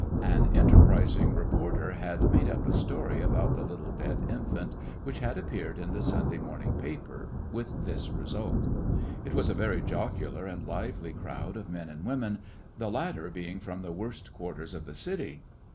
An enterprising reporter had made up a story about the little dead infiint, 18 g l[VlissionarY in tge Great West which had appeared in the Sunday morning paper, with this result It was a very jocular and lively crowd of men and women, the lat ter being from the worst quarters of the city.